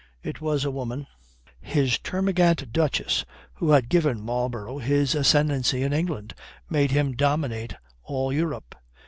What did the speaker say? It was a woman, his termagant duchess, who had given Marlborough his ascendancy in England, made him dominate all Europe.